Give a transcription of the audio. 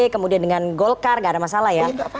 kemudian dengan golkar gak ada masalah ya